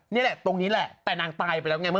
นี่อะไรตรงนี้อ่ะแต่นางตายไปแล้วไง